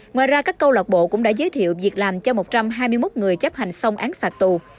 ngoài ra các câu lạc bộ cũng đã giới thiệu việc làm cho một trăm hai mươi một người chấp hành xong án phạt tù